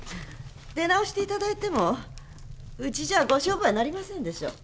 出直して頂いてもうちじゃご商売になりませんでしょう。